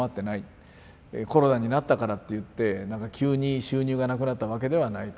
コロナになったからっていってなんか急に収入がなくなったわけではないと。